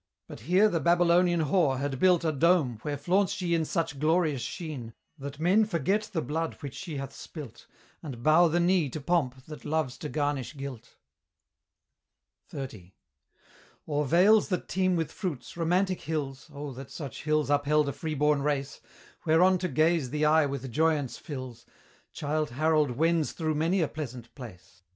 But here the Babylonian whore had built A dome, where flaunts she in such glorious sheen, That men forget the blood which she hath spilt, And bow the knee to Pomp that loves to garnish guilt. XXX. O'er vales that teem with fruits, romantic hills, (Oh that such hills upheld a free born race!) Whereon to gaze the eye with joyaunce fills, Childe Harold wends through many a pleasant place.